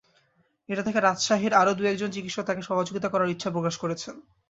এটা দেখে রাজশাহীর আরও দু-একজন চিকিৎসক তাঁকে সহযোগিতা করার ইচ্ছা প্রকাশ করেছেন।